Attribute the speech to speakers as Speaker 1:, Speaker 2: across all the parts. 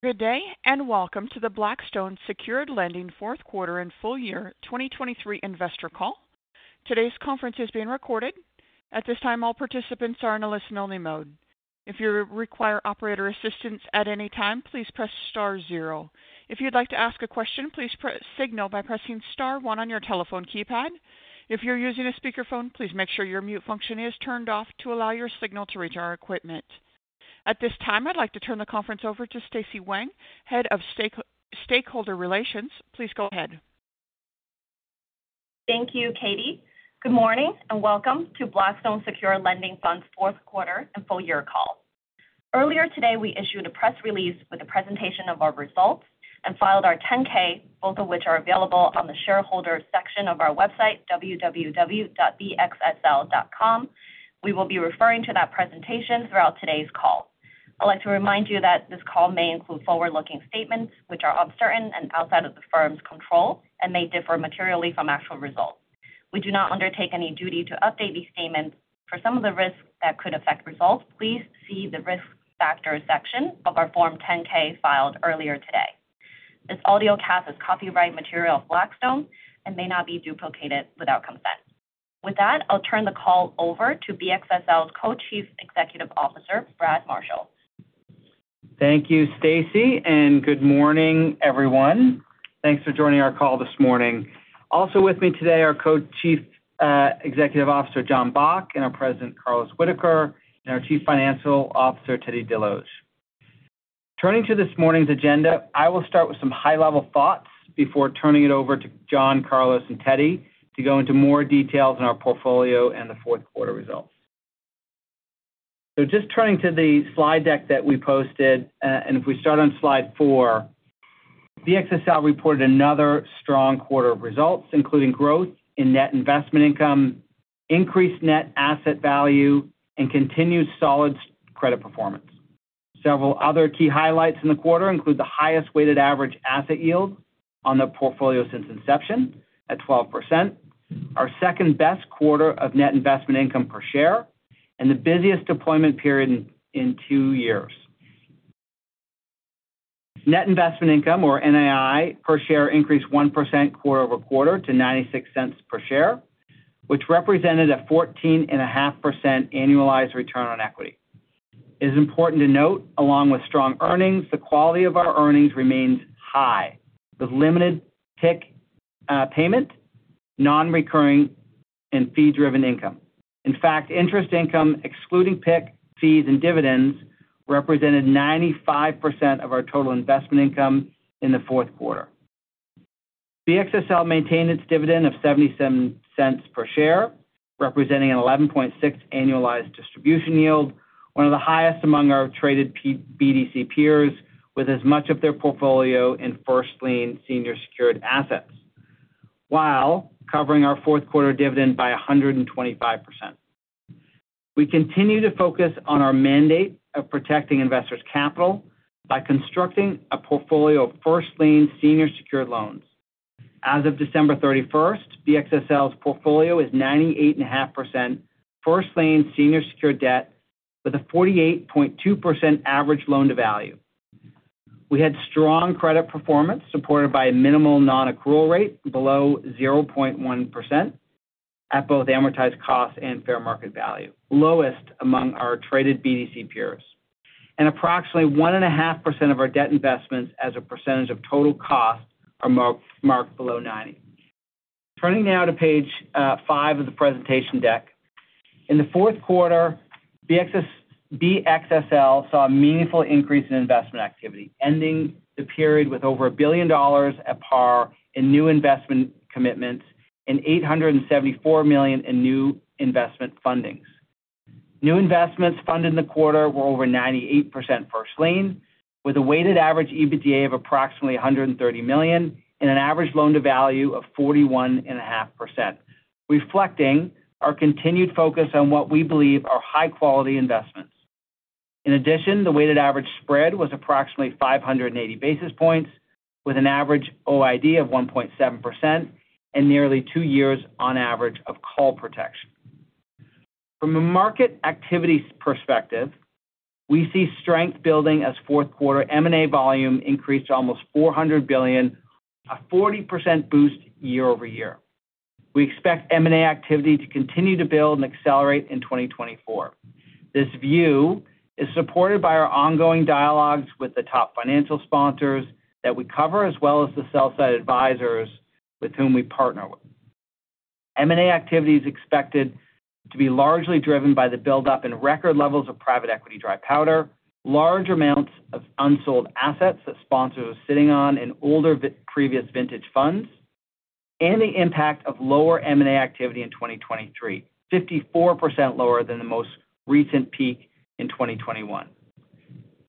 Speaker 1: Good day and welcome to the Blackstone Secured Lending fourth quarter and full year 2023 investor call. Today's conference is being recorded. At this time, all participants are in a listen-only mode. If you require operator assistance at any time, please press star zero. If you'd like to ask a question, please press signal by pressing star one on your telephone keypad. If you're using a speakerphone, please make sure your mute function is turned off to allow your signal to reach our equipment. At this time, I'd like to turn the conference over to Stacy Wang, head of stakeholder relations. Please go ahead.
Speaker 2: Thank you, Katie. Good morning and welcome to Blackstone Secured Lending Fund's fourth quarter and full year call. Earlier today, we issued a press release with a presentation of our results and filed our 10-K, both of which are available on the shareholder section of our website, www.bxsl.com. We will be referring to that presentation throughout today's call. I'd like to remind you that this call may include forward-looking statements which are uncertain and outside of the firm's control and may differ materially from actual results. We do not undertake any duty to update these statements. For some of the risks that could affect results, please see the risk factors section of our Form 10-K filed earlier today. This audio cast is copyright material of Blackstone and may not be duplicated without consent. With that, I'll turn the call over to BXSL's Co-Chief Executive Officer, Brad Marshall.
Speaker 3: Thank you, Stacy, and good morning, everyone. Thanks for joining our call this morning. Also with me today are Co-Chief Executive Officer Jonathan Bock and our President Carlos Whitaker and our Chief Financial Officer, Teddy Desloge. Turning to this morning's agenda, I will start with some high-level thoughts before turning it over to Jonathan, Carlos, and Teddy to go into more details on our portfolio and the fourth quarter results. Just turning to the slide deck that we posted, and if we start on slide four, BXSL reported another strong quarter of results, including growth in net investment income, increased net asset value, and continued solid credit performance. Several other key highlights in the quarter include the highest weighted average asset yield on the portfolio since inception at 12%, our second-best quarter of net investment income per share, and the busiest deployment period in two years. Net investment income, or NII, per share increased 1% quarter-over-quarter to $0.96 per share, which represented a 14.5% annualized return on equity. It is important to note, along with strong earnings, the quality of our earnings remains high with limited PIK payment, non-recurring, and fee-driven income. In fact, interest income, excluding PIK fees and dividends, represented 95% of our total investment income in the fourth quarter. BXSL maintained its dividend of $0.77 per share, representing an 11.6% annualized distribution yield, one of the highest among our traded BDC peers with as much of their portfolio in first-lien senior secured assets, while covering our fourth quarter dividend by 125%. We continue to focus on our mandate of protecting investors' capital by constructing a portfolio of first-lien senior secured loans. As of December 31st, BXSL's portfolio is 98.5% first-lien senior secured debt with a 48.2% average loan-to-value. We had strong credit performance supported by a minimal non-accrual rate below 0.1% at both amortized cost and fair market value, lowest among our traded BDC peers. Approximately 1.5% of our debt investments, as a percentage of total cost, are marked below 90. Turning now to page five of the presentation deck, in the fourth quarter, BXSL saw a meaningful increase in investment activity, ending the period with over $1 billion in new investment commitments and $874 million in new investment fundings. New investments funded in the quarter were over 98% first-lien, with a weighted average EBITDA of approximately $130 million and an average loan-to-value of 41.5%, reflecting our continued focus on what we believe are high-quality investments. In addition, the weighted average spread was approximately 580 basis points, with an average OID of 1.7% and nearly two years on average of call protection. From a market activity perspective, we see strength building as fourth quarter M&A volume increased to almost $400 billion, a 40% boost year-over-year. We expect M&A activity to continue to build and accelerate in 2024. This view is supported by our ongoing dialogues with the top financial sponsors that we cover as well as the sell-side advisors with whom we partner with. M&A activity is expected to be largely driven by the buildup in record levels of private equity dry powder, large amounts of unsold assets that sponsors are sitting on in older previous vintage funds, and the impact of lower M&A activity in 2023, 54% lower than the most recent peak in 2021.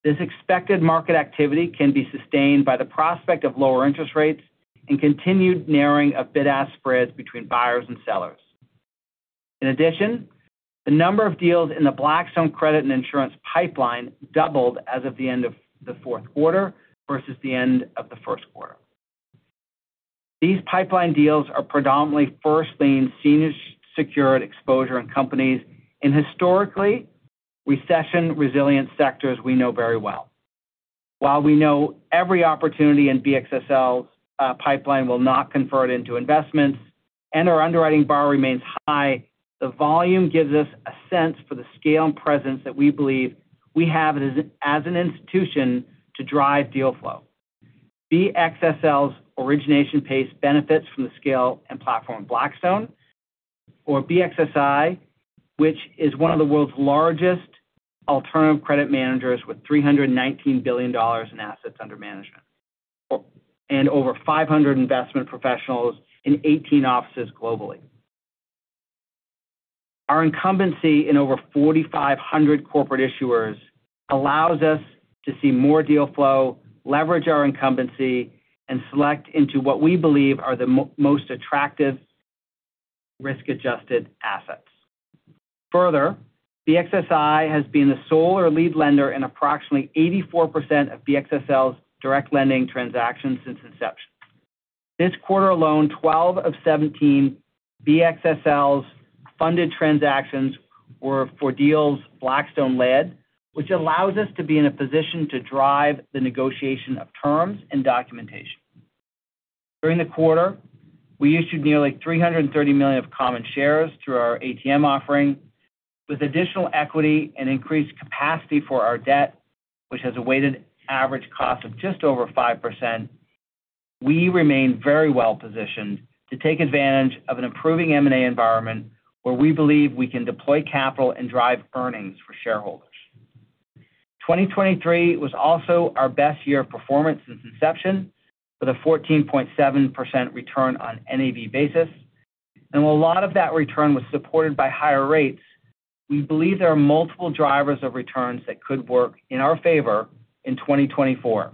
Speaker 3: This expected market activity can be sustained by the prospect of lower interest rates and continued narrowing of bid-ask spreads between buyers and sellers. In addition, the number of deals in the Blackstone Credit and Insurance pipeline doubled as of the end of the fourth quarter versus the end of the first quarter. These pipeline deals are predominantly first-lien senior secured exposure in companies in historically recession-resilient sectors we know very well. While we know every opportunity in BXSL's pipeline will not convert into investments and our underwriting bar remains high, the volume gives us a sense for the scale and presence that we believe we have as an institution to drive deal flow. BXSL's origination pace benefits from the scale and platform of Blackstone, or BXCI, which is one of the world's largest alternative credit managers with $319 billion in assets under management and over 500 investment professionals in 18 offices globally. Our incumbency in over 4,500 corporate issuers allows us to see more deal flow, leverage our incumbency, and select into what we believe are the most attractive risk-adjusted assets. Further, BXCI has been the sole or lead lender in approximately 84% of BXSL's direct lending transactions since inception. This quarter alone, 12 of 17 BXSL's funded transactions were for deals Blackstone-led, which allows us to be in a position to drive the negotiation of terms and documentation. During the quarter, we issued nearly 330 million of common shares through our ATM offering. With additional equity and increased capacity for our debt, which has a weighted average cost of just over 5%, we remain very well positioned to take advantage of an improving M&A environment where we believe we can deploy capital and drive earnings for shareholders. 2023 was also our best year of performance since inception with a 14.7% return on NAV basis. And while a lot of that return was supported by higher rates, we believe there are multiple drivers of returns that could work in our favor in 2024.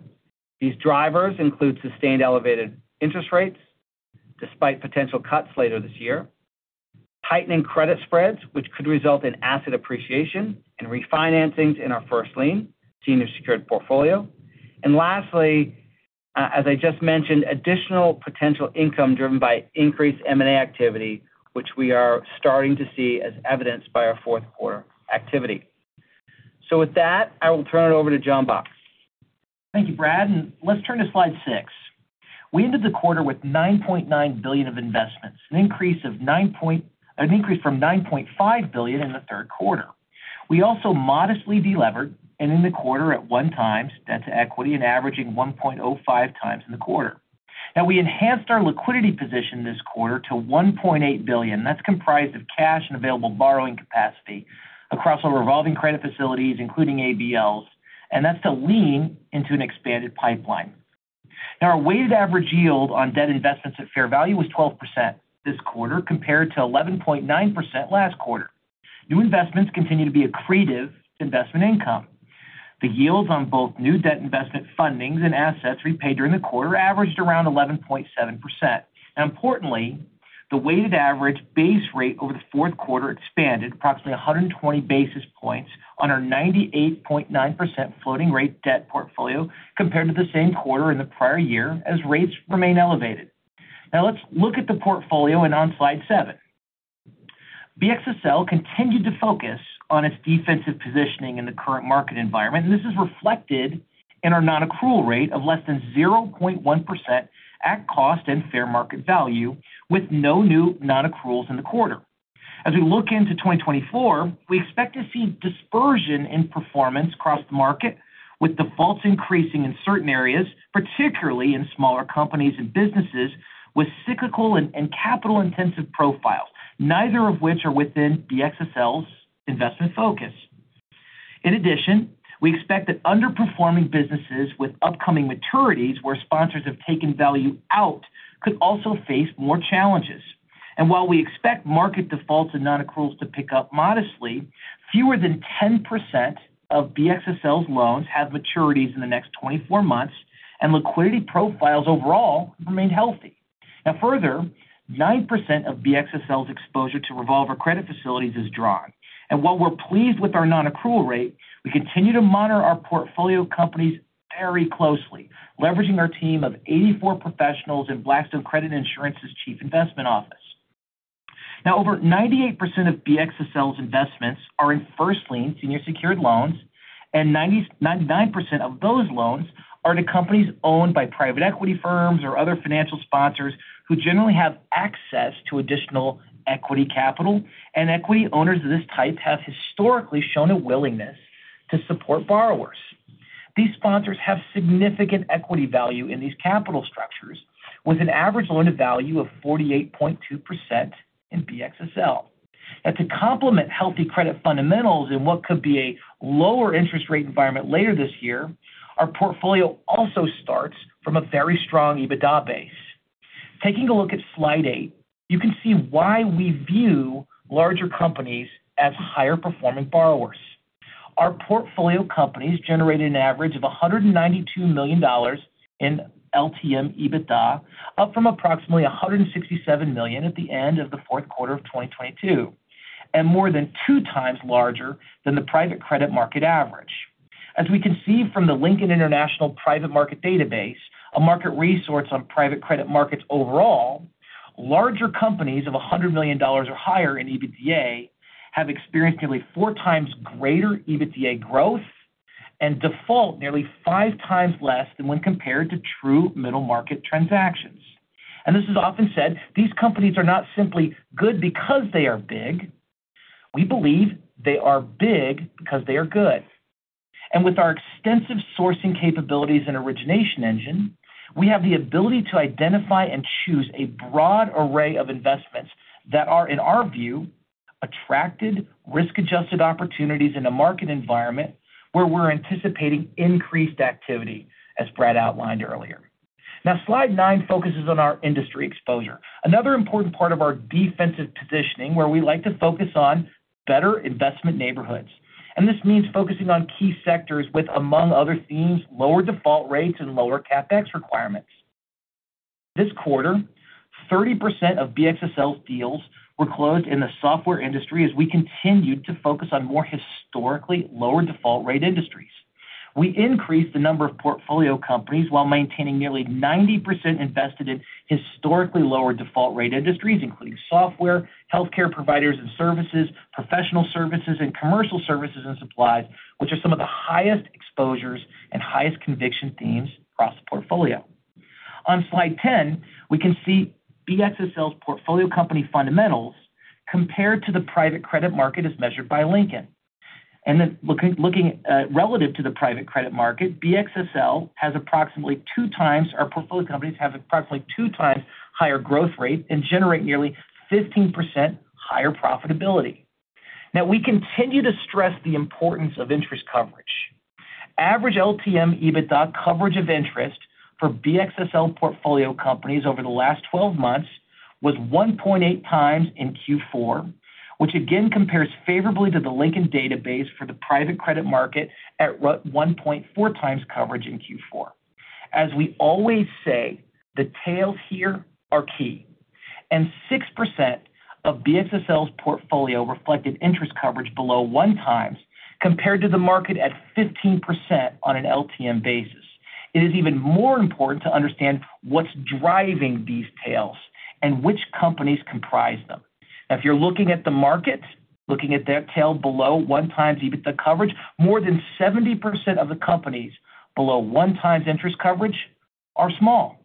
Speaker 3: These drivers include sustained elevated interest rates despite potential cuts later this year, heightening credit spreads which could result in asset appreciation and refinancings in our first-lien senior secured portfolio, and lastly, as I just mentioned, additional potential income driven by increased M&A activity, which we are starting to see as evidenced by our fourth quarter activity. So with that, I will turn it over to Jonathan Bock.
Speaker 4: Thank you, Brad. Let's turn to slide six. We ended the quarter with $9.9 billion of investments, an increase from $9.5 billion in the third quarter. We also modestly delevered in the quarter at 1x debt to equity and averaging 1.05x in the quarter. Now, we enhanced our liquidity position this quarter to $1.8 billion. That's comprised of cash and available borrowing capacity across our revolving credit facilities, including ABLs, and that's to lean into an expanded pipeline. Now, our weighted average yield on debt investments at fair value was 12% this quarter compared to 11.9% last quarter. New investments continue to be accretive to investment income. The yields on both new debt investment fundings and assets repaid during the quarter averaged around 11.7%. Now, importantly, the weighted average base rate over the fourth quarter expanded approximately 120 basis points on our 98.9% floating rate debt portfolio compared to the same quarter in the prior year as rates remain elevated. Now, let's look at the portfolio and on slide seven. BXSL continued to focus on its defensive positioning in the current market environment, and this is reflected in our nonaccrual rate of less than 0.1% at cost and fair market value with no new nonaccruals in the quarter. As we look into 2024, we expect to see dispersion in performance across the market with defaults increasing in certain areas, particularly in smaller companies and businesses with cyclical and capital-intensive profiles, neither of which are within BXSL's investment focus. In addition, we expect that underperforming businesses with upcoming maturities where sponsors have taken value out could also face more challenges. And while we expect market defaults and nonaccruals to pick up modestly, fewer than 10% of BXSL's loans have maturities in the next 24 months, and liquidity profiles overall remain healthy. Now, further, 9% of BXSL's exposure to revolving credit facilities is drawn. And while we're pleased with our non-accrual rate, we continue to monitor our portfolio companies very closely, leveraging our team of 84 professionals in Blackstone Credit and Insurance's Chief Investment Office. Now, over 98% of BXSL's investments are in first-lien senior secured loans, and 99% of those loans are to companies owned by private equity firms or other financial sponsors who generally have access to additional equity capital. And equity owners of this type have historically shown a willingness to support borrowers. These sponsors have significant equity value in these capital structures with an average loan-to-value of 48.2% in BXSL. Now, to complement healthy credit fundamentals and what could be a lower interest rate environment later this year, our portfolio also starts from a very strong EBITDA base. Taking a look at slide eight, you can see why we view larger companies as higher-performing borrowers. Our portfolio companies generated an average of $192 million in LTM EBITDA, up from approximately $167 million at the end of the fourth quarter of 2022, and more than 2x larger than the private credit market average. As we can see from the Lincoln International Private Market Database, a market resource on private credit markets overall, larger companies of $100 million or higher in EBITDA have experienced nearly 4x greater EBITDA growth and default nearly 5x less than when compared to true middle market transactions. And this is often said, "These companies are not simply good because they are big. We believe they are big because they are good." With our extensive sourcing capabilities and origination engine, we have the ability to identify and choose a broad array of investments that are, in our view, attractive risk-adjusted opportunities in a market environment where we're anticipating increased activity, as Brad outlined earlier. Now, slide nine focuses on our industry exposure, another important part of our defensive positioning where we like to focus on better investment neighborhoods. This means focusing on key sectors with, among other themes, lower default rates and lower CapEx requirements. This quarter, 30% of BXSL's deals were closed in the software industry as we continued to focus on more historically lower default rate industries. We increased the number of portfolio companies while maintaining nearly 90% invested in historically lower default rate industries, including software, healthcare providers and services, professional services, and commercial services and supplies, which are some of the highest exposures and highest conviction themes across the portfolio. On slide 10, we can see BXSL's portfolio company fundamentals compared to the private credit market as measured by Lincoln. And then looking relative to the private credit market, BXSL has approximately 2x our portfolio companies have approximately 2x higher growth rate and generate nearly 15% higher profitability. Now, we continue to stress the importance of interest coverage. Average LTM EBITDA coverage of interest for BXSL portfolio companies over the last 12 months was 1.8x in Q4, which again compares favorably to the Lincoln Database for the private credit market at 1.4x coverage in Q4. As we always say, the tails here are key. 6% of BXSL's portfolio reflected interest coverage below 1x compared to the market at 15% on an LTM basis. It is even more important to understand what's driving these tails and which companies comprise them. Now, if you're looking at the market, looking at their tail below 1x EBITDA coverage, more than 70% of the companies below 1x interest coverage are small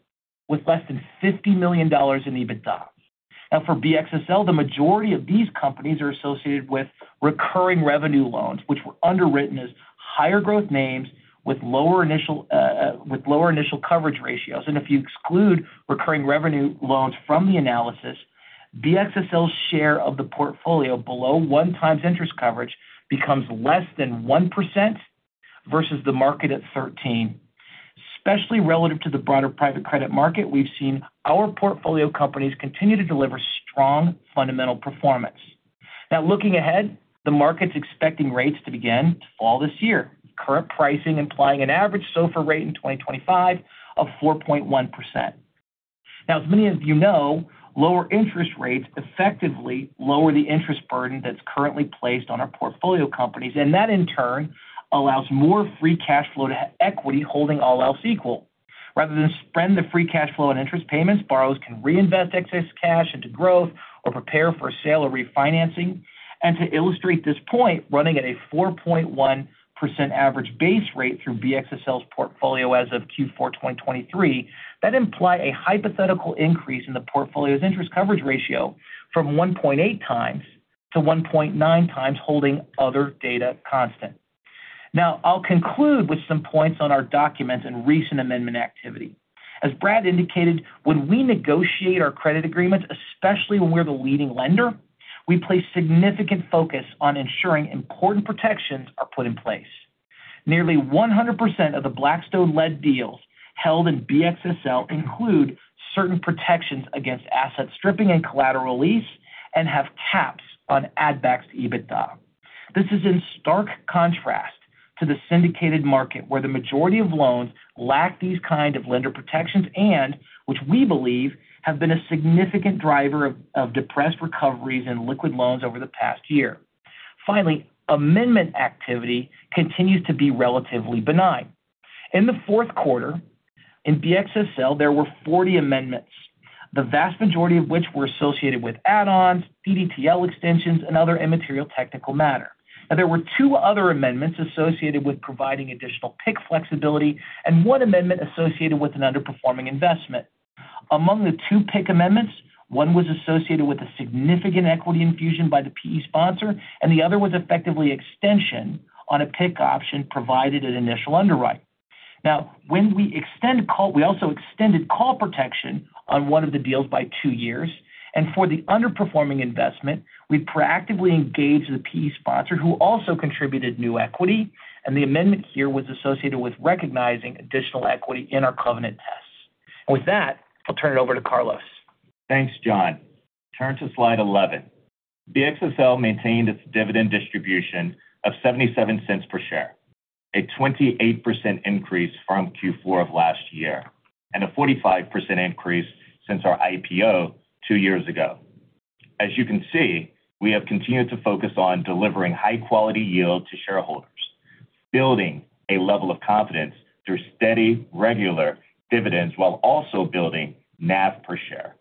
Speaker 4: with less than $50 million in EBITDA. Now, for BXSL, the majority of these companies are associated with recurring revenue loans, which were underwritten as higher growth names with lower initial coverage ratios. If you exclude recurring revenue loans from the analysis, BXSL's share of the portfolio below 1x interest coverage becomes less than 1% versus the market at 13%. Especially relative to the broader private credit market, we've seen our portfolio companies continue to deliver strong fundamental performance. Now, looking ahead, the market's expecting rates to begin to fall this year, current pricing implying an average SOFR rate in 2025 of 4.1%. Now, as many of you know, lower interest rates effectively lower the interest burden that's currently placed on our portfolio companies. And that, in turn, allows more free cash flow to equity holding all else equal. Rather than spend the free cash flow on interest payments, borrowers can reinvest excess cash into growth or prepare for a sale or refinancing. And to illustrate this point, running at a 4.1% average base rate through BXSL's portfolio as of Q4 2023, that implied a hypothetical increase in the portfolio's interest coverage ratio from 1.8x to 1.9x holding other data constant. Now, I'll conclude with some points on our documents and recent amendment activity. As Brad indicated, when we negotiate our credit agreements, especially when we're the leading lender, we place significant focus on ensuring important protections are put in place. Nearly 100% of the Blackstone-led deals held in BXSL include certain protections against asset stripping and collateral release and have caps on add-backs to EBITDA. This is in stark contrast to the syndicated market where the majority of loans lack these kinds of lender protections and which we believe have been a significant driver of depressed recoveries in liquid loans over the past year. Finally, amendment activity continues to be relatively benign. In the fourth quarter, in BXSL, there were 40 amendments, the vast majority of which were associated with add-ons, DDTL extensions, and other immaterial technical matter. Now, there were two other amendments associated with providing additional PIK flexibility and one amendment associated with an underperforming investment. Among the two PIK amendments, one was associated with a significant equity infusion by the PE sponsor, and the other was effectively extension on a PIK option provided at initial underwriting. Now, when we extended call protection on one of the deals by two years, and for the underperforming investment, we proactively engaged the PE sponsor who also contributed new equity. The amendment here was associated with recognizing additional equity in our covenant tests. With that, I'll turn it over to Carlos.
Speaker 5: Thanks, John. Turn to slide 11. BXSL maintained its dividend distribution of $0.77 per share, a 28% increase from Q4 of last year, and a 45% increase since our IPO two years ago. As you can see, we have continued to focus on delivering high-quality yield to shareholders, building a level of confidence through steady, regular dividends while also building NAV per share.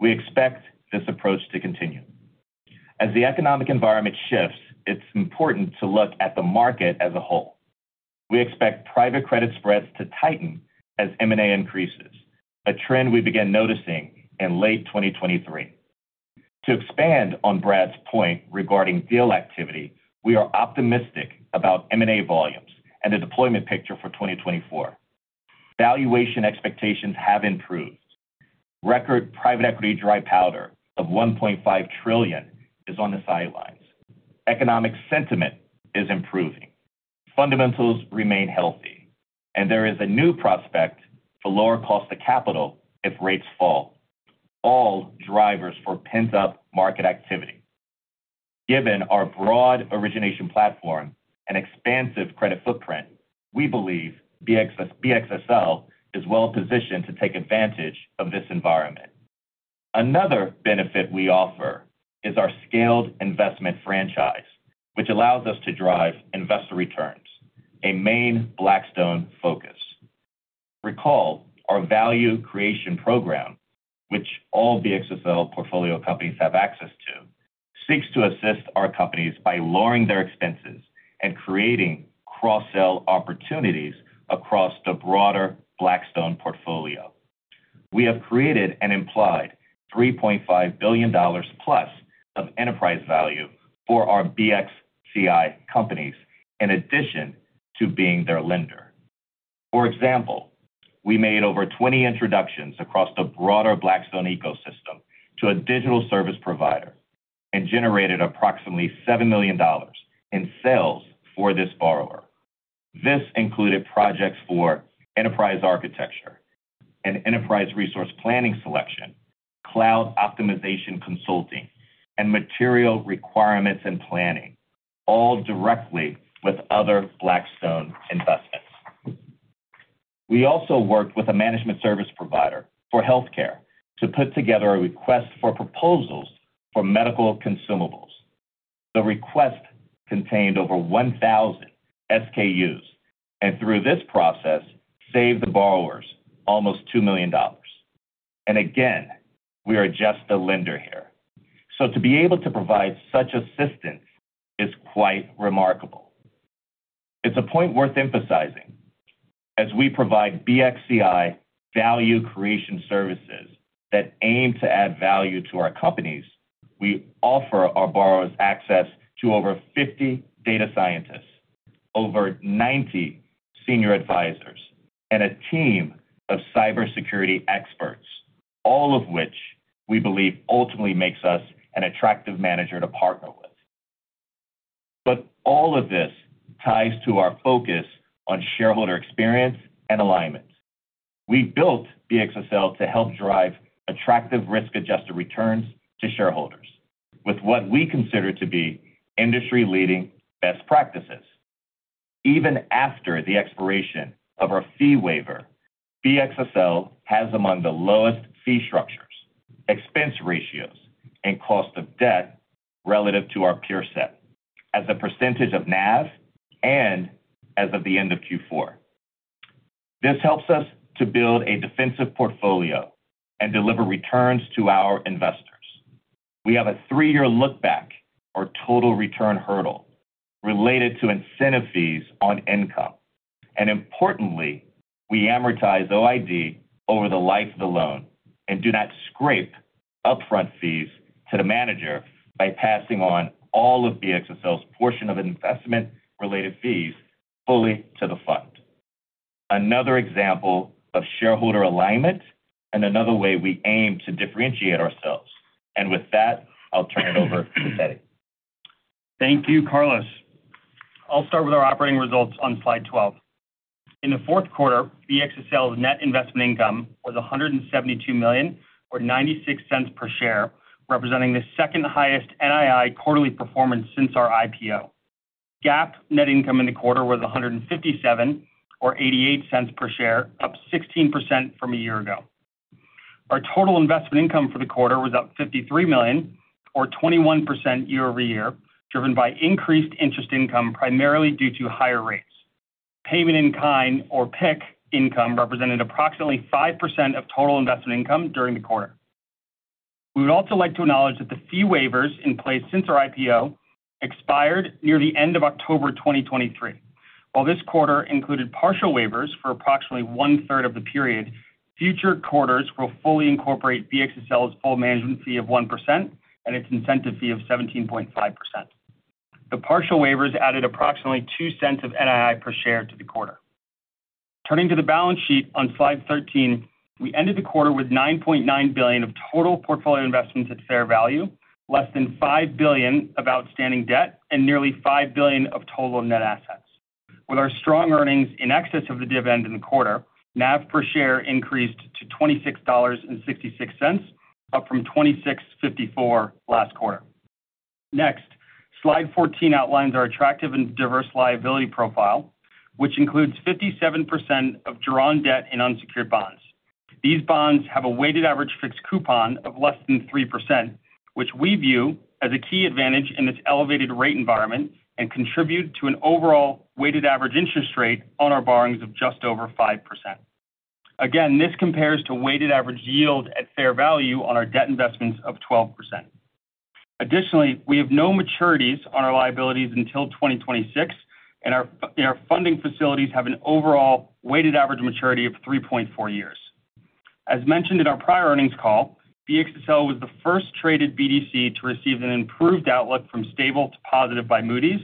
Speaker 5: We expect this approach to continue. As the economic environment shifts, it's important to look at the market as a whole. We expect private credit spreads to tighten as M&A increases, a trend we began noticing in late 2023. To expand on Brad's point regarding deal activity, we are optimistic about M&A volumes and the deployment picture for 2024. Valuation expectations have improved. Record private equity dry powder of $1.5 trillion is on the sidelines. Economic sentiment is improving. Fundamentals remain healthy. There is a new prospect for lower cost of capital if rates fall, all drivers for pent-up market activity. Given our broad origination platform and expansive credit footprint, we believe BXSL is well positioned to take advantage of this environment. Another benefit we offer is our scaled investment franchise, which allows us to drive investor returns, a main Blackstone focus. Recall, our value creation program, which all BXSL portfolio companies have access to, seeks to assist our companies by lowering their expenses and creating cross-sell opportunities across the broader Blackstone portfolio. We have created and implied $3.5+ billion of enterprise value for our BXCI companies in addition to being their lender. For example, we made over 20 introductions across the broader Blackstone ecosystem to a digital service provider and generated approximately $7 million in sales for this borrower. This included projects for enterprise architecture, an enterprise resource planning selection, cloud optimization consulting, and material requirements and planning, all directly with other Blackstone investments. We also worked with a management service provider for healthcare to put together a request for proposals for medical consumables. The request contained over 1,000 SKUs. And through this process, saved the borrowers almost $2 million. Again, we are just a lender here. To be able to provide such assistance is quite remarkable. It's a point worth emphasizing. As we provide BXCI value creation services that aim to add value to our companies, we offer our borrowers access to over 50 data scientists, over 90 senior advisors, and a team of cybersecurity experts, all of which we believe ultimately makes us an attractive manager to partner with. But all of this ties to our focus on shareholder experience and alignment. We built BXSL to help drive attractive risk-adjusted returns to shareholders with what we consider to be industry-leading best practices. Even after the expiration of our fee waiver, BXSL has among the lowest fee structures, expense ratios, and cost of debt relative to our peer set as a percentage of NAV and as of the end of Q4. This helps us to build a defensive portfolio and deliver returns to our investors. We have a three-year lookback or total return hurdle related to incentive fees on income. Importantly, we amortize OID over the life of the loan and do not scrape upfront fees to the manager by passing on all of BXSL's portion of investment-related fees fully to the fund. Another example of shareholder alignment and another way we aim to differentiate ourselves. With that, I'll turn it over to Teddy.
Speaker 6: Thank you, Carlos. I'll start with our operating results on slide 12. In the fourth quarter, BXSL's net investment income was $172 million or $0.96 per share, representing the second-highest NII quarterly performance since our IPO. GAAP net income in the quarter was $157 million or $0.88 per share, up 16% from a year ago. Our total investment income for the quarter was up $53 million or 21% year-over-year, driven by increased interest income primarily due to higher rates. Payment in kind or PIK income represented approximately 5% of total investment income during the quarter. We would also like to acknowledge that the fee waivers in place since our IPO expired near the end of October 2023. While this quarter included partial waivers for approximately 1/3 of the period, future quarters will fully incorporate BXSL's full management fee of 1% and its incentive fee of 17.5%. The partial waivers added approximately $0.02 of NII per share to the quarter. Turning to the balance sheet on slide 13, we ended the quarter with $9.9 billion of total portfolio investments at fair value, less than $5 billion of outstanding debt, and nearly $5 billion of total net assets. With our strong earnings in excess of the dividend in the quarter, NAV per share increased to $26.66, up from $26.54 last quarter. Next, slide 14 outlines our attractive and diverse liability profile, which includes 57% of drawn debt in unsecured bonds. These bonds have a weighted average fixed coupon of less than 3%, which we view as a key advantage in this elevated rate environment and contribute to an overall weighted average interest rate on our borrowings of just over 5%. Again, this compares to weighted average yield at fair value on our debt investments of 12%. Additionally, we have no maturities on our liabilities until 2026, and our funding facilities have an overall weighted average maturity of 3.4 years. As mentioned in our prior earnings call, BXSL was the first traded BDC to receive an improved outlook from stable to positive by Moody's.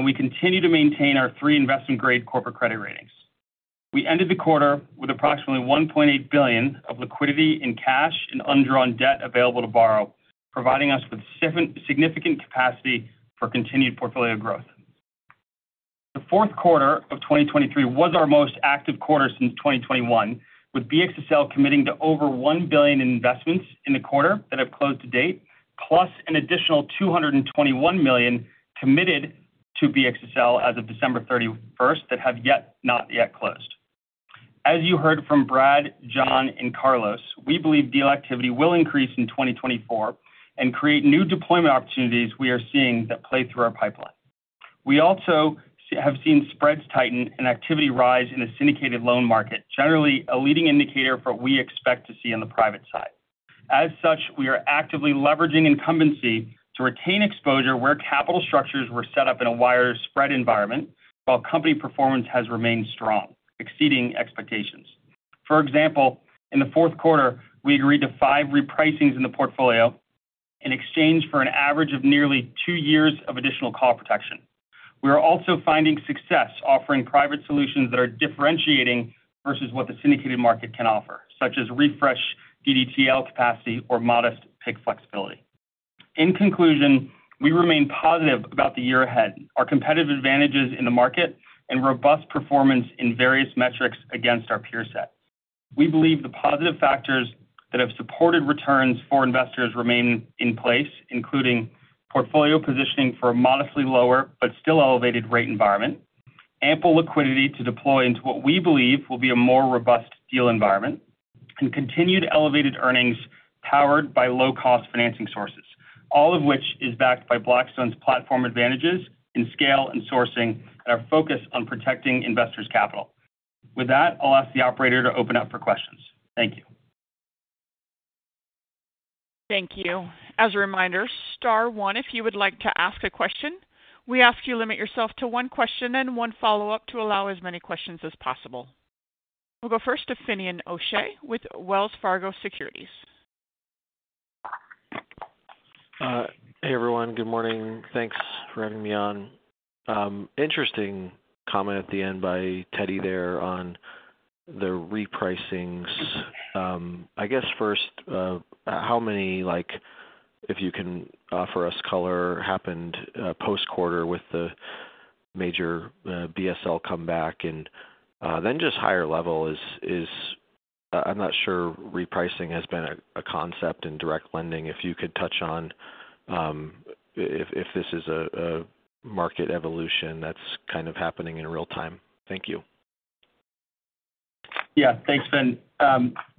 Speaker 6: We continue to maintain our three investment-grade corporate credit ratings. We ended the quarter with approximately $1.8 billion of liquidity in cash and undrawn debt available to borrow, providing us with significant capacity for continued portfolio growth. The fourth quarter of 2023 was our most active quarter since 2021, with BXSL committing to over $1 billion in investments in the quarter that have closed to date, plus an additional $221 million committed to BXSL as of December 31st that have not yet closed. As you heard from Brad, John, and Carlos, we believe deal activity will increase in 2024 and create new deployment opportunities we are seeing that play through our pipeline. We also have seen spreads tighten and activity rise in the syndicated loan market, generally a leading indicator for what we expect to see on the private side. As such, we are actively leveraging incumbency to retain exposure where capital structures were set up in a wider spread environment while company performance has remained strong, exceeding expectations. For example, in the fourth quarter, we agreed to five repricings in the portfolio in exchange for an average of nearly two years of additional call protection. We are also finding success offering private solutions that are differentiating versus what the syndicated market can offer, such as refresh DDTL capacity or modest PIK flexibility. In conclusion, we remain positive about the year ahead, our competitive advantages in the market, and robust performance in various metrics against our peer sets. We believe the positive factors that have supported returns for investors remain in place, including portfolio positioning for a modestly lower but still elevated rate environment, ample liquidity to deploy into what we believe will be a more robust deal environment, and continued elevated earnings powered by low-cost financing sources, all of which is backed by Blackstone's platform advantages in scale and sourcing and our focus on protecting investors' capital. With that, I'll ask the operator to open up for questions. Thank you.
Speaker 1: Thank you. As a reminder, star one if you would like to ask a question. We ask you limit yourself to one question and one follow-up to allow as many questions as possible. We'll go first to Finian O'Shea with Wells Fargo Securities.
Speaker 7: Hey, everyone. Good morning. Thanks for having me on. Interesting comment at the end by Teddy there on the repricings. I guess first, how many, if you can offer us color, happened post-quarter with the major BSL comeback? And then just higher level is I'm not sure repricing has been a concept in direct lending. If you could touch on if this is a market evolution that's kind of happening in real time. Thank you.
Speaker 6: Yeah. Thanks, Fin.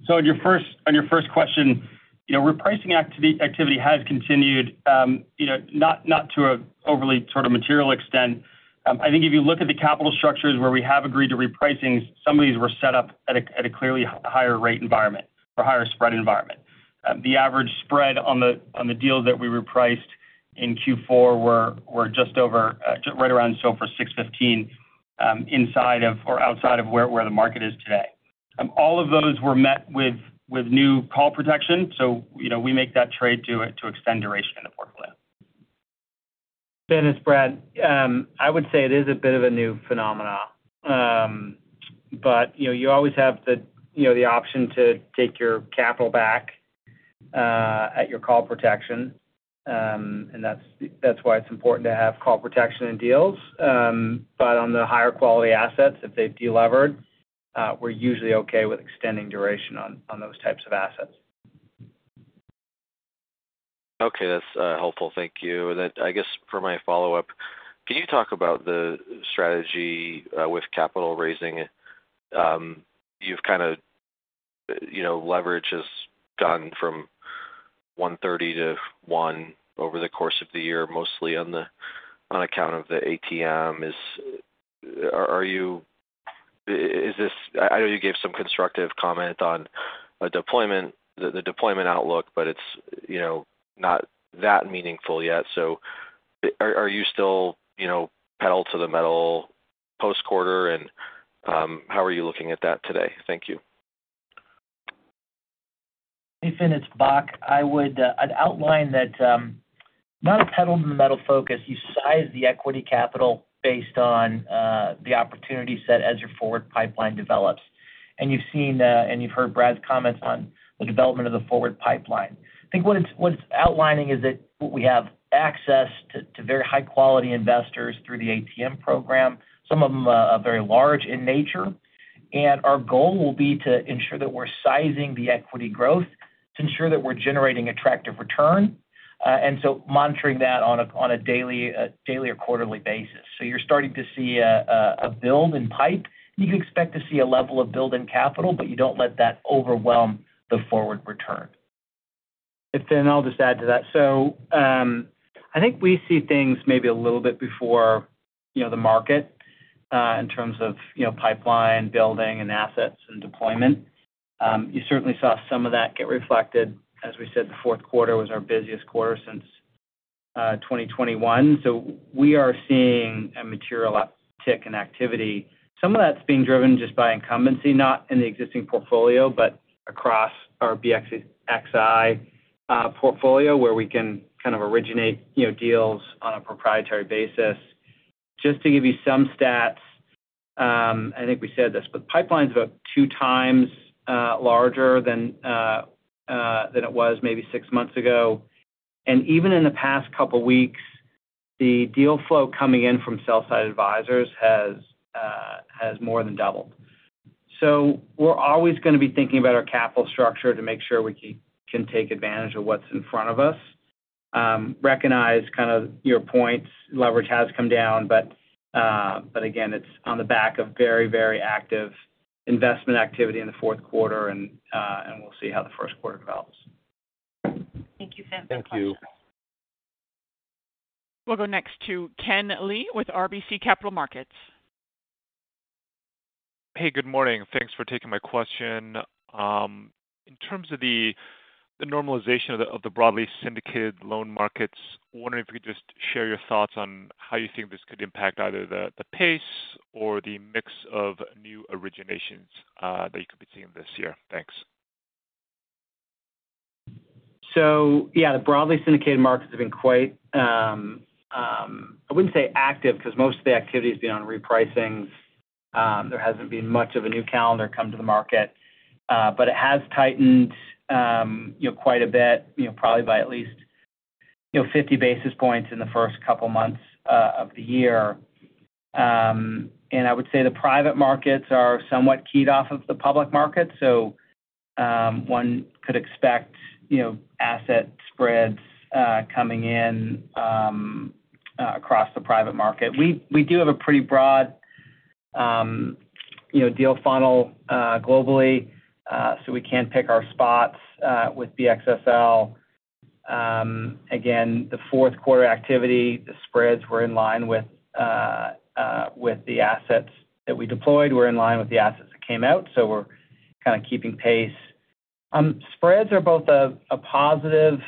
Speaker 6: So on your first question, repricing activity has continued, not to an overly sort of material extent. I think if you look at the capital structures where we have agreed to repricings, some of these were set up at a clearly higher rate environment or higher spread environment. The average spread on the deals that we repriced in Q4 were just right around SOFR 615 inside of or outside of where the market is today. All of those were met with new call protection. So we make that trade to extend duration in the portfolio.
Speaker 3: Finian, it's Brad. I would say it is a bit of a new phenomenon. But you always have the option to take your capital back at your call protection. And that's why it's important to have call protection in deals. But on the higher quality assets, if they've delevered, we're usually okay with extending duration on those types of assets.
Speaker 7: Okay. That's helpful. Thank you. And then I guess for my follow-up, can you talk about the strategy with capital raising? Your leverage has gone from 1.30 to one over the course of the year, mostly on account of the ATM. It's. I know you gave some constructive comment on the deployment outlook, but it's not that meaningful yet. So are you still pedal to the metal post-quarter? And how are you looking at that today? Thank you.
Speaker 4: Hey, Finian. It's Bock. I'd outline that not a pedal to the metal focus. You size the equity capital based on the opportunity set as your forward pipeline develops. And you've seen and you've heard Brad's comments on the development of the forward pipeline. I think what it's outlining is that we have access to very high-quality investors through the ATM program, some of them are very large in nature. And our goal will be to ensure that we're sizing the equity growth to ensure that we're generating attractive return and so monitoring that on a daily or quarterly basis. So you're starting to see a build in pipe. You can expect to see a level of build-in capital, but you don't let that overwhelm the forward return.
Speaker 3: Hey, Finian. I'll just add to that. So I think we see things maybe a little bit before the market in terms of pipeline building and assets and deployment. You certainly saw some of that get reflected. As we said, the fourth quarter was our busiest quarter since 2021. So we are seeing a material uptick in activity. Some of that's being driven just by incumbency, not in the existing portfolio, but across our BXCI portfolio where we can kind of originate deals on a proprietary basis. Just to give you some stats, I think we said this, but the pipeline's about 2x larger than it was maybe six months ago. And even in the past couple of weeks, the deal flow coming in from sell-side advisors has more than doubled. We're always going to be thinking about our capital structure to make sure we can take advantage of what's in front of us. Recognize kind of your points. Leverage has come down. But again, it's on the back of very, very active investment activity in the fourth quarter. And we'll see how the first quarter develops.
Speaker 2: Thank you, Finian.
Speaker 7: Thank you.
Speaker 1: We'll go next to Ken Lee with RBC Capital Markets.
Speaker 8: Hey, good morning. Thanks for taking my question. In terms of the normalization of the broadly syndicated loan markets, wondering if you could just share your thoughts on how you think this could impact either the pace or the mix of new originations that you could be seeing this year? Thanks.
Speaker 3: So yeah, the broadly syndicated markets have been quite I wouldn't say active because most of the activity has been on repricings. There hasn't been much of a new calendar come to the market. But it has tightened quite a bit, probably by at least 50 basis points in the first couple of months of the year. And I would say the private markets are somewhat keyed off of the public market. So one could expect asset spreads coming in across the private market. We do have a pretty broad deal funnel globally, so we can pick our spots with BXSL. Again, the fourth quarter activity, the spreads were in line with the assets that we deployed. We're in line with the assets that came out. So we're kind of keeping pace. Spreads are both a positive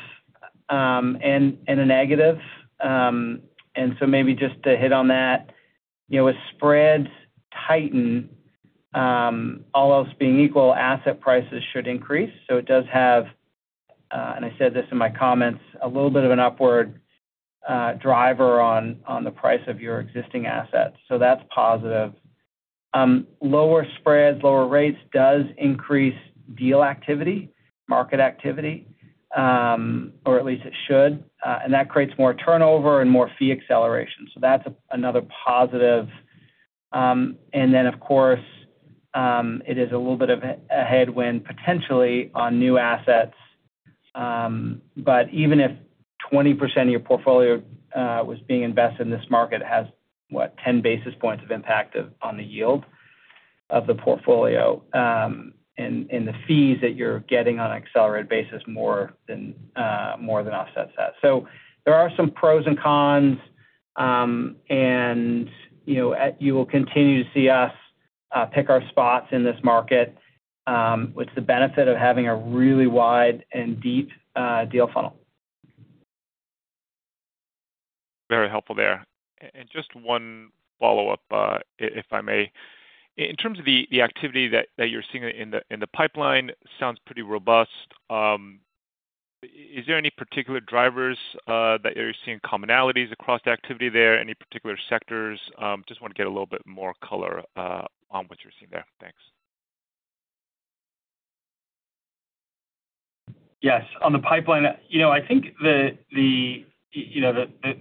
Speaker 3: and a negative. And so maybe just to hit on that, as spreads tighten, all else being equal, asset prices should increase. So it does have, and I said this in my comments, a little bit of an upward driver on the price of your existing assets. So that's positive. Lower spreads, lower rates does increase deal activity, market activity, or at least it should. And that creates more turnover and more fee acceleration. So that's another positive. And then, of course, it is a little bit of a headwind potentially on new assets. But even if 20% of your portfolio was being invested in this market has, what, 10 basis points of impact on the yield of the portfolio and the fees that you're getting on an accelerated basis more than offsets that. So there are some pros and cons. You will continue to see us pick our spots in this market with the benefit of having a really wide and deep deal funnel.
Speaker 8: Very helpful there. Just one follow-up, if I may. In terms of the activity that you're seeing in the pipeline, sounds pretty robust. Is there any particular drivers that you're seeing commonalities across the activity there, any particular sectors? Just want to get a little bit more color on what you're seeing there. Thanks.
Speaker 6: Yes. On the pipeline, I think the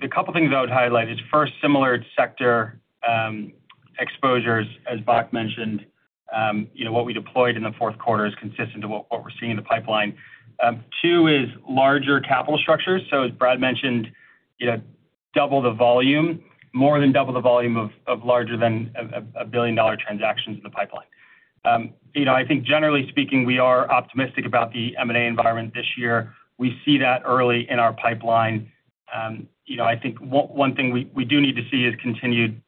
Speaker 6: couple of things I would highlight is, first, similar sector exposures, as Bock mentioned. What we deployed in the fourth quarter is consistent to what we're seeing in the pipeline. Two is larger capital structures. So as Brad mentioned, double the volume, more than double the volume of larger than a billion-dollar transactions in the pipeline. I think, generally speaking, we are optimistic about the M&A environment this year. We see that early in our pipeline. I think one thing we do need to see is continued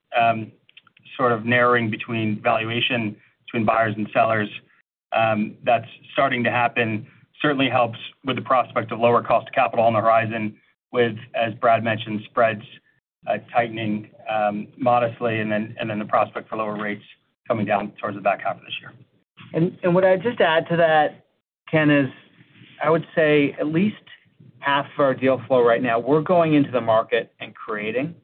Speaker 6: sort of narrowing between valuation between buyers and sellers. That's starting to happen. Certainly helps with the prospect of lower cost of capital on the horizon with, as Brad mentioned, spreads tightening modestly and then the prospect for lower rates coming down towards the back half of this year.
Speaker 4: Would I just add to that, Ken, is I would say at least half of our deal flow right now, we're going into the market and creating.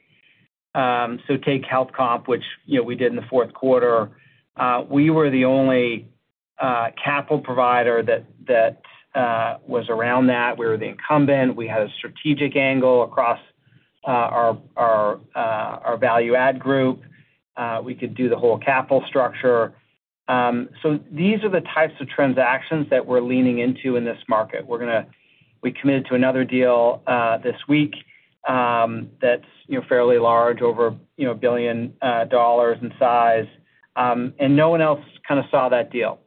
Speaker 4: So take HealthComp, which we did in the fourth quarter. We were the only capital provider that was around that. We were the incumbent. We had a strategic angle across our value-add group. We could do the whole capital structure. So these are the types of transactions that we're leaning into in this market. We committed to another deal this week that's fairly large, over $1 billion in size. And no one else kind of saw that deal.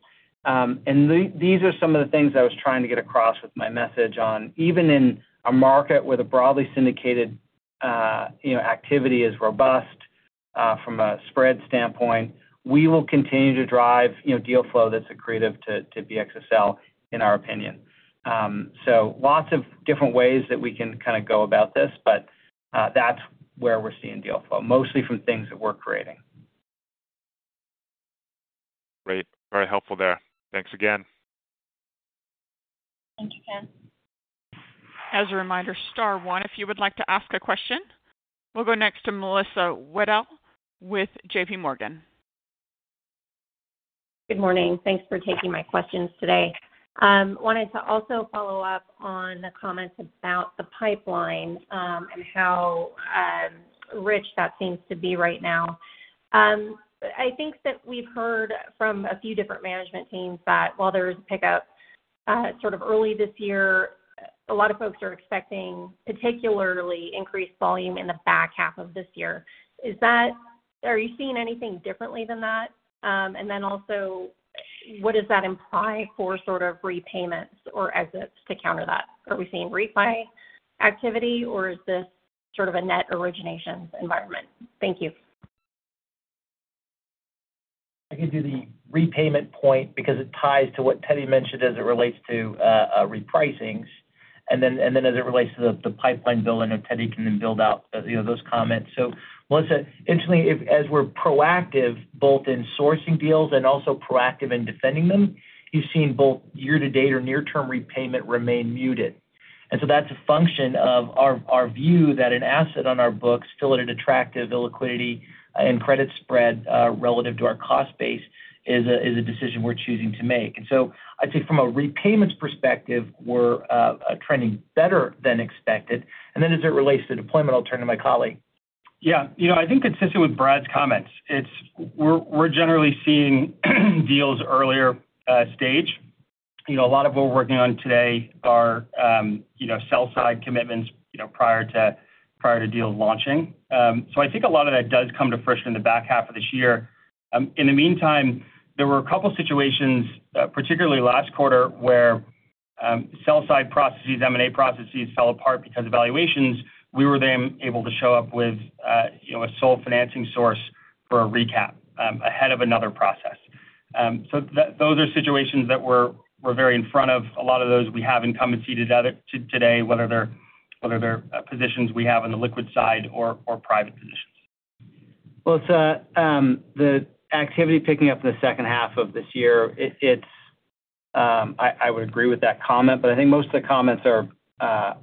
Speaker 4: And these are some of the things I was trying to get across with my message on. Even in a market where the broadly syndicated activity is robust from a spread standpoint, we will continue to drive deal flow that's accretive to BXSL, in our opinion. So lots of different ways that we can kind of go about this. But that's where we're seeing deal flow, mostly from things that we're creating.
Speaker 8: Great. Very helpful there. Thanks again.
Speaker 2: Thank you, Ken.
Speaker 1: As a reminder, star one if you would like to ask a question. We'll go next to Melissa Wedel with JPMorgan.
Speaker 9: Good morning. Thanks for taking my questions today. Wanted to also follow up on the comments about the pipeline and how rich that seems to be right now. I think that we've heard from a few different management teams that while there was a pickup sort of early this year, a lot of folks are expecting, particularly, increased volume in the back half of this year. Are you seeing anything differently than that? And then also, what does that imply for sort of repayments or exits to counter that? Are we seeing repay activity, or is this sort of a net originations environment? Thank you.
Speaker 4: I can do the repayment point because it ties to what Teddy mentioned as it relates to repricings. And then as it relates to the pipeline billing, Teddy can then build out those comments. So, Melissa, interestingly, as we're proactive both in sourcing deals and also proactive in defending them, you've seen both year-to-date or near-term repayment remain muted. And so that's a function of our view that an asset on our books, still at an attractive illiquidity and credit spread relative to our cost base, is a decision we're choosing to make. And so I'd say from a repayments perspective, we're trending better than expected. And then as it relates to deployment, I'll turn to my colleague.
Speaker 6: Yeah. I think consistent with Brad's comments, we're generally seeing deals earlier stage. A lot of what we're working on today are sell-side commitments prior to deal launching. So I think a lot of that does come to fruition in the back half of this year. In the meantime, there were a couple of situations, particularly last quarter, where sell-side processes, M&A processes, fell apart because of valuations. We were then able to show up with a sole financing source for a recap ahead of another process. So those are situations that we're very in front of. A lot of those, we have incumbency today, whether they're positions we have on the liquid side or private positions.
Speaker 4: Melissa, the activity picking up in the second half of this year, I would agree with that comment. But I think most of the comments are,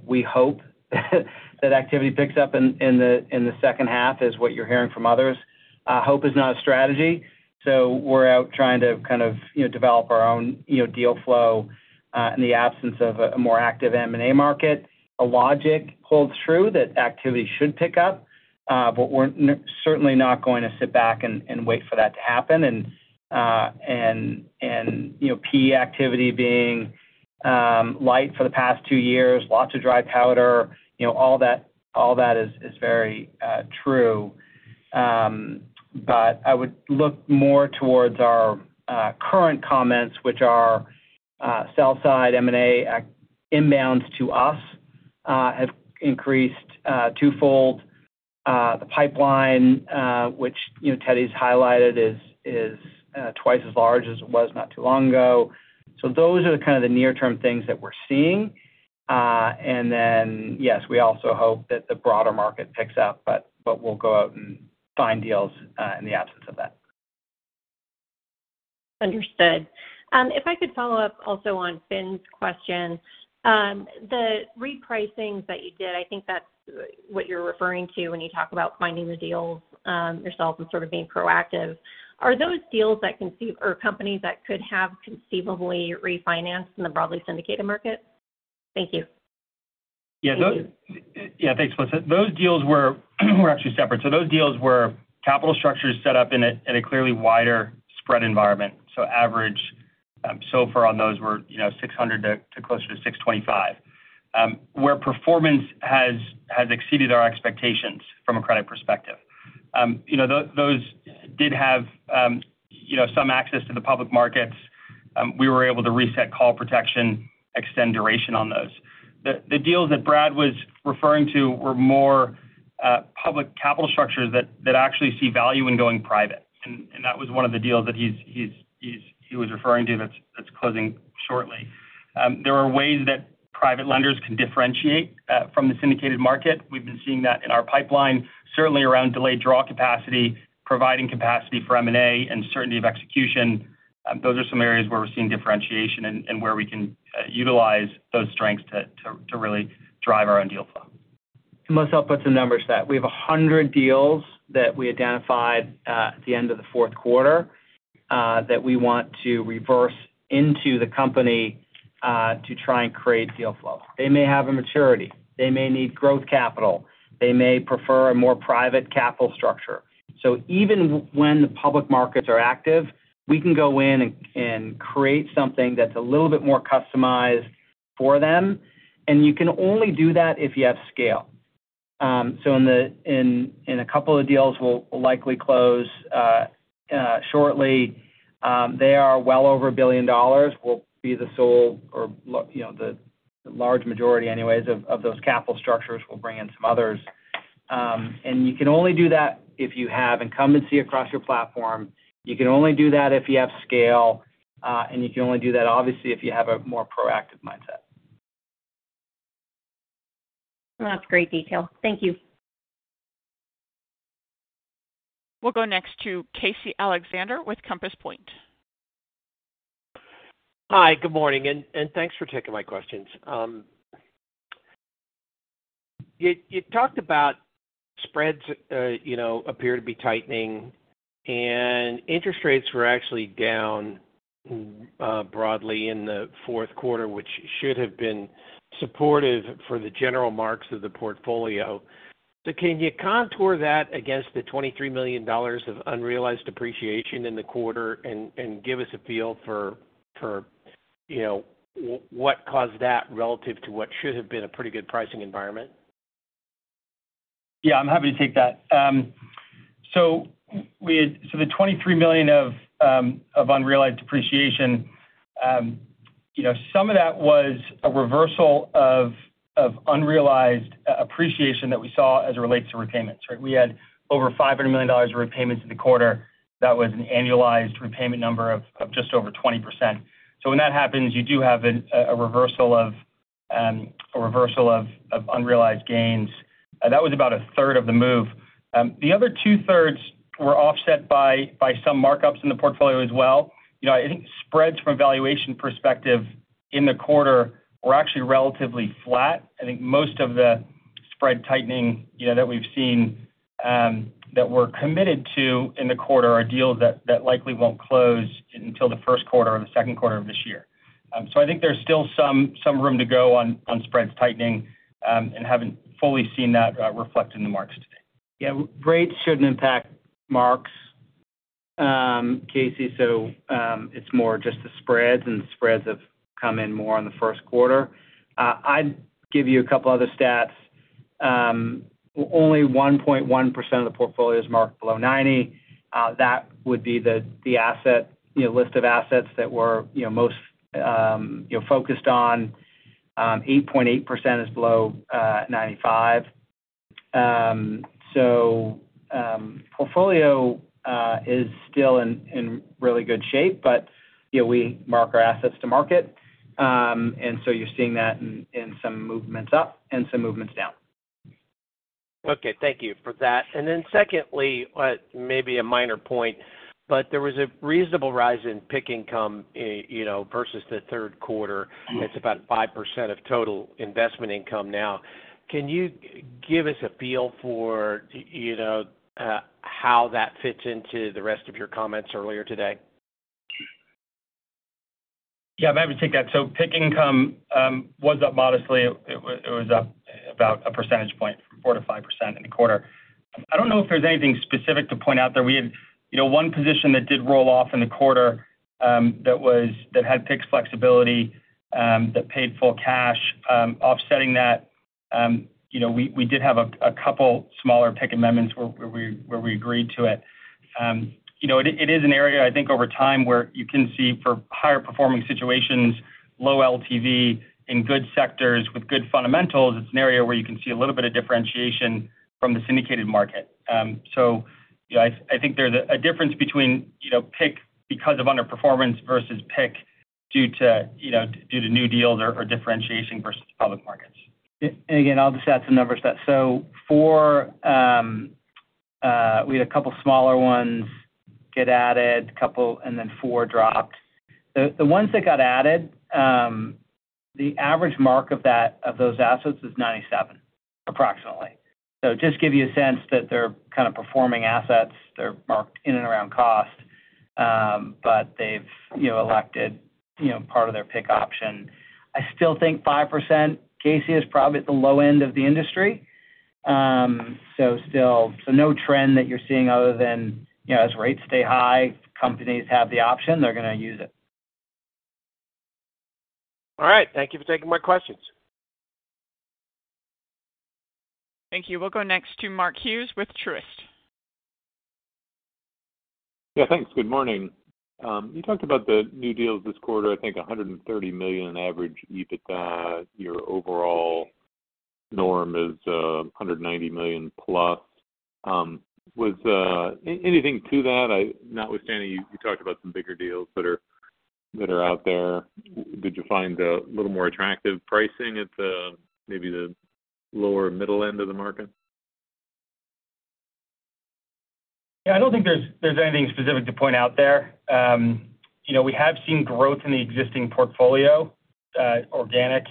Speaker 4: "We hope that activity picks up in the second half," is what you're hearing from others. "Hope is not a strategy." So we're out trying to kind of develop our own deal flow in the absence of a more active M&A market. A logic holds true that activity should pick up. But we're certainly not going to sit back and wait for that to happen. And PE activity being light for the past two years, lots of dry powder, all that is very true. But I would look more towards our current comments, which are sell-side M&A inbounds to us have increased twofold. The pipeline, which Teddy's highlighted, is twice as large as it was not too long ago. Those are kind of the near-term things that we're seeing. Then, yes, we also hope that the broader market picks up. We'll go out and find deals in the absence of that.
Speaker 9: Understood. If I could follow up also on Fin's question, the repricings that you did, I think that's what you're referring to when you talk about finding the deals yourself and sort of being proactive. Are those deals that or companies that could have conceivably refinanced in the broadly syndicated market? Thank you.
Speaker 6: Yeah. Thanks, Melissa. Those deals were actually separate. So those deals were capital structures set up in a clearly wider spread environment. So average so far on those were 600 to closer to 625, where performance has exceeded our expectations from a credit perspective. Those did have some access to the public markets. We were able to reset call protection, extend duration on those. The deals that Brad was referring to were more public capital structures that actually see value in going private. And that was one of the deals that he was referring to that's closing shortly. There are ways that private lenders can differentiate from the syndicated market. We've been seeing that in our pipeline, certainly around delayed draw capacity, providing capacity for M&A, and certainty of execution. Those are some areas where we're seeing differentiation and where we can utilize those strengths to really drive our own deal flow.
Speaker 3: Melissa put some numbers to that. We have 100 deals that we identified at the end of the fourth quarter that we want to reverse into the company to try and create deal flow. They may have a maturity. They may need growth capital. They may prefer a more private capital structure. So even when the public markets are active, we can go in and create something that's a little bit more customized for them. And you can only do that if you have scale. So in a couple of deals we'll likely close shortly, they are well over $1 billion dollars will be the sole or the large majority anyways of those capital structures. We'll bring in some others. And you can only do that if you have incumbency across your platform. You can only do that if you have scale. You can only do that, obviously, if you have a more proactive mindset.
Speaker 9: That's great detail. Thank you.
Speaker 1: We'll go next to Casey Alexander with Compass Point.
Speaker 10: Hi. Good morning. Thanks for taking my questions. You talked about spreads appear to be tightening, and interest rates were actually down broadly in the fourth quarter, which should have been supportive for the general marks of the portfolio. So can you contour that against the $23 million of unrealized depreciation in the quarter and give us a feel for what caused that relative to what should have been a pretty good pricing environment?
Speaker 6: Yeah. I'm happy to take that. So the $23 million of unrealized depreciation, some of that was a reversal of unrealized appreciation that we saw as it relates to repayments, right? We had over $500 million of repayments in the quarter. That was an annualized repayment number of just over 20%. So when that happens, you do have a reversal of unrealized gains. That was about a 1/3 of the move. The other 2/3 were offset by some markups in the portfolio as well. I think spreads from a valuation perspective in the quarter were actually relatively flat. I think most of the spread tightening that we've seen that we're committed to in the quarter are deals that likely won't close until the first quarter or the second quarter of this year. I think there's still some room to go on spreads tightening and haven't fully seen that reflected in the marks today.
Speaker 3: Yeah. Rates shouldn't impact marks, Casey. So it's more just the spreads, and the spreads have come in more in the first quarter. I'd give you a couple of other stats. Only 1.1% of the portfolio is marked below 90. That would be the list of assets that were most focused on. 8.8% is below 95. So portfolio is still in really good shape, but we mark our assets to market. And so you're seeing that in some movements up and some movements down.
Speaker 10: Okay. Thank you for that. And then secondly, maybe a minor point, but there was a reasonable rise in PIK income versus the third quarter. It's about 5% of total investment income now. Can you give us a feel for how that fits into the rest of your comments earlier today?
Speaker 6: Yeah. I'm happy to take that. So PIK income was up modestly. It was up about a percentage point from 4%-5% in the quarter. I don't know if there's anything specific to point out there. We had one position that did roll off in the quarter that had PIK flexibility that paid full cash. Offsetting that, we did have a couple smaller PIK amendments where we agreed to it. It is an area, I think, over time where you can see for higher-performing situations, low LTV, in good sectors with good fundamentals, it's an area where you can see a little bit of differentiation from the syndicated market. So I think there's a difference between PIK because of underperformance versus PIK due to new deals or differentiation versus the public markets.
Speaker 3: And again, I'll just add some numbers to that. So we had a couple smaller ones get added, and then four dropped. The ones that got added, the average mark of those assets is 97, approximately. So just to give you a sense that they're kind of performing assets. They're marked in and around cost, but they've elected part of their PIK option. I still think 5%, Casey, is probably at the low end of the industry. So no trend that you're seeing other than as rates stay high, companies have the option. They're going to use it.
Speaker 10: All right. Thank you for taking my questions.
Speaker 1: Thank you. We'll go next to Mark Hughes with Truist.
Speaker 11: Yeah. Thanks. Good morning. You talked about the new deals this quarter, I think, $130 million on average. Your overall norm is $190+ million. Was anything to that? Notwithstanding, you talked about some bigger deals that are out there. Did you find a little more attractive pricing at maybe the lower middle end of the market?
Speaker 6: Yeah. I don't think there's anything specific to point out there. We have seen growth in the existing portfolio, organic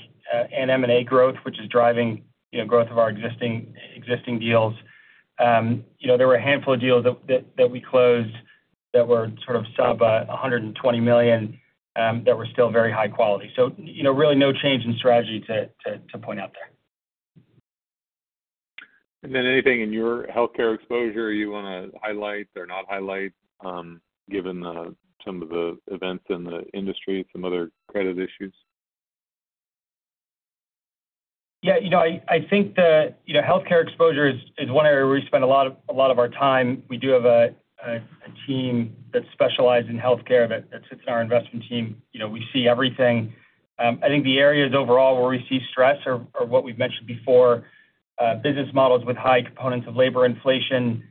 Speaker 6: and M&A growth, which is driving growth of our existing deals. There were a handful of deals that we closed that were sort of sub-$120 million that were still very high quality. So really, no change in strategy to point out there.
Speaker 11: And then anything in your healthcare exposure you want to highlight or not highlight given some of the events in the industry, some other credit issues?
Speaker 6: Yeah. I think the healthcare exposure is one area where we spend a lot of our time. We do have a team that's specialized in healthcare that sits in our investment team. We see everything. I think the areas overall where we see stress are what we've mentioned before, business models with high components of labor inflation,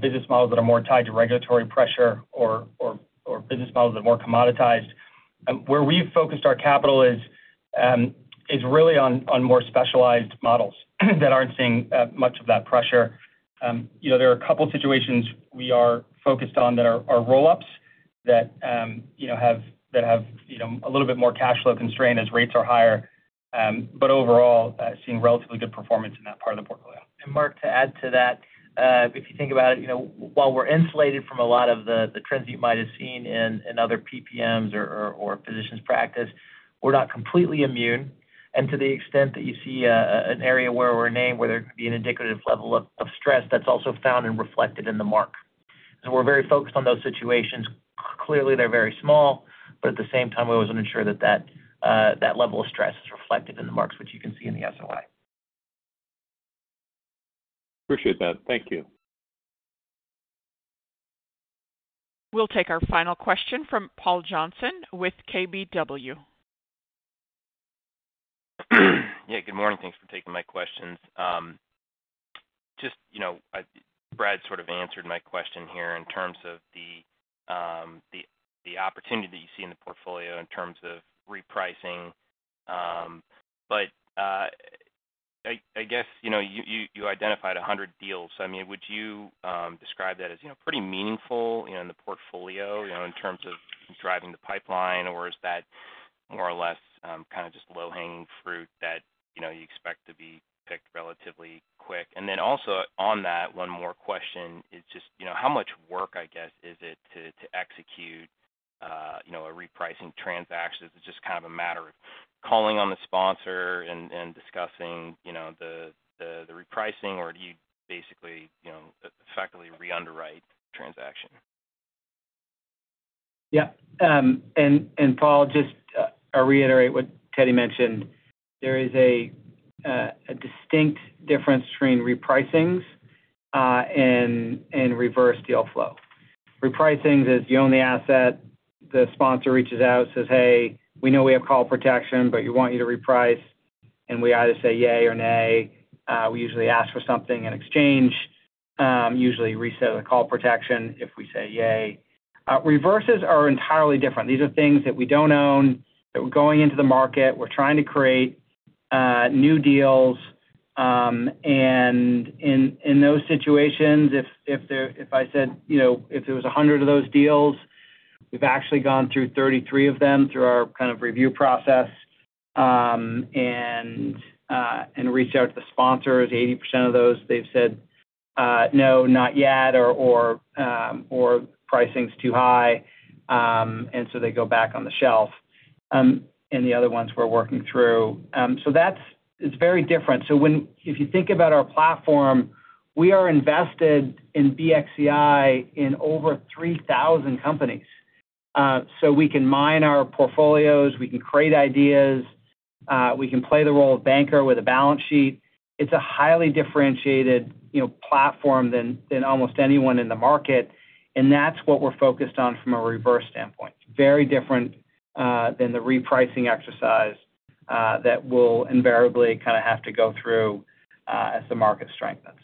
Speaker 6: business models that are more tied to regulatory pressure, or business models that are more commoditized. Where we've focused our capital is really on more specialized models that aren't seeing much of that pressure. There are a couple of situations we are focused on that are roll-ups that have a little bit more cash flow constraint as rates are higher, but overall, seeing relatively good performance in that part of the portfolio.
Speaker 3: And Mark, to add to that, if you think about it, while we're insulated from a lot of the trends you might have seen in other PPMs or physicians' practice, we're not completely immune. And to the extent that you see an area where we're named, where there can be an indicative level of stress, that's also found and reflected in the mark. So we're very focused on those situations. Clearly, they're very small, but at the same time, we always want to ensure that that level of stress is reflected in the marks, which you can see in the SOI.
Speaker 11: Appreciate that. Thank you.
Speaker 1: We'll take our final question from Paul Johnson with KBW.
Speaker 12: Yeah. Good morning. Thanks for taking my questions. Just Brad sort of answered my question here in terms of the opportunity that you see in the portfolio in terms of repricing. But I guess you identified 100 deals. I mean, would you describe that as pretty meaningful in the portfolio in terms of driving the pipeline, or is that more or less kind of just low-hanging fruit that you expect to be picked relatively quick? And then also on that, one more question is just how much work, I guess, is it to execute a repricing transaction? Is it just kind of a matter of calling on the sponsor and discussing the repricing, or do you basically effectively re-underwrite the transaction?
Speaker 3: Yeah. And Paul, just to reiterate what Teddy mentioned, there is a distinct difference between repricings and reverse deal flow. Repricings is you own the asset. The sponsor reaches out, says, "Hey, we know we have call protection, but you want you to reprice." And we either say yay or nay. We usually ask for something in exchange, usually reset the call protection if we say yay. Reverses are entirely different. These are things that we don't own, that we're going into the market. We're trying to create new deals. And in those situations, if there was 100 of those deals, we've actually gone through 33 of them through our kind of review process and reached out to the sponsors. 80% of those, they've said, "No, not yet," or, "Pricing's too high." And so they go back on the shelf. And the other ones we're working through. It's very different. If you think about our platform, we are invested in BXCI in over 3,000 companies. We can mine our portfolios. We can create ideas. We can play the role of banker with a balance sheet. It's a highly differentiated platform than almost anyone in the market. And that's what we're focused on from a reverse standpoint. Very different than the repricing exercise that we'll invariably kind of have to go through as the market strengthens.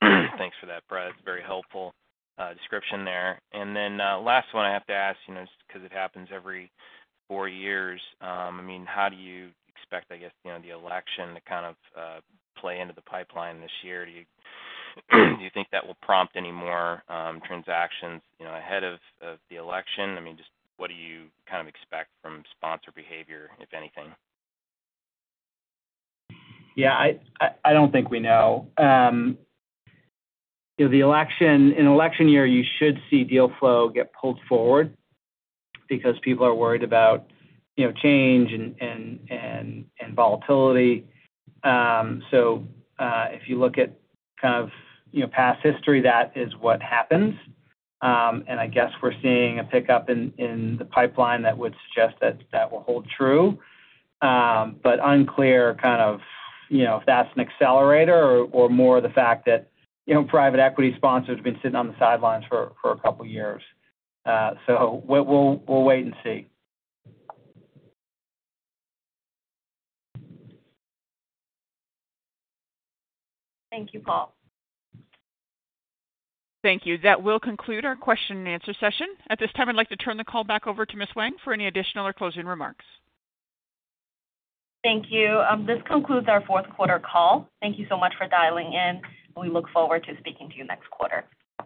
Speaker 12: Thanks for that, Brad. It's a very helpful description there. And then last one, I have to ask just because it happens every four years. I mean, how do you expect, I guess, the election to kind of play into the pipeline this year? Do you think that will prompt any more transactions ahead of the election? I mean, just what do you kind of expect from sponsor behavior, if anything?
Speaker 3: Yeah. I don't think we know. In election year, you should see deal flow get pulled forward because people are worried about change and volatility. So if you look at kind of past history, that is what happens. And I guess we're seeing a pickup in the pipeline that would suggest that that will hold true. But unclear kind of if that's an accelerator or more the fact that private equity sponsors have been sitting on the sidelines for a couple of years. So we'll wait and see.
Speaker 2: Thank you, Paul.
Speaker 1: Thank you. That will conclude our question-and-answer session. At this time, I'd like to turn the call back over to Ms. Wang for any additional or closing remarks.
Speaker 2: Thank you. This concludes our fourth-quarter call. Thank you so much for dialing in, and we look forward to speaking to you next quarter.